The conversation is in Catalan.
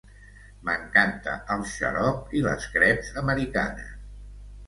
M'encanta el xarop i les creps americanes.